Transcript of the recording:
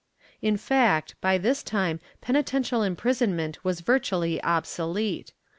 ^ In fact, by this time penitential imprisonment was virtually obsolete.